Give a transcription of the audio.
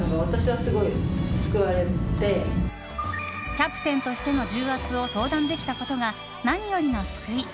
キャプテンとしての重圧を相談できたことが何よりの救い。